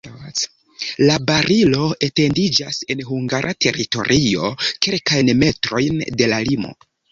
La barilo etendiĝas en hungara teritorio kelkajn metrojn de la limo.